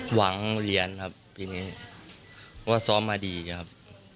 หวังเรียนครับว่าซ้อมมาดีครับ